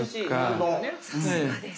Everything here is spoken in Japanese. さすがです。